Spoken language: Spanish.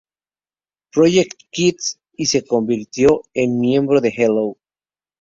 Project Kids" y se convirtió en miembro de "Hello!